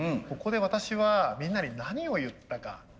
ここで私はみんなに何を言ったか。